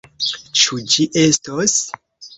Ĉu ĝi estos?